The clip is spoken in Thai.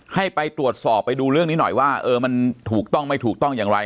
ให้ไปตรวจสอบไปดูเรื่องนี้หน่อยว่าเออมันถูกต้องไม่ถูกต้องอย่างไร